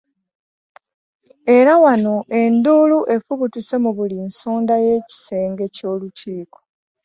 Era wano enduulu efubutuse mu buli nsonda y'ekisenge ky'olukiiko.